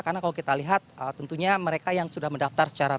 karena kalau kita lihat tentunya mereka yang sudah mendaftar secara real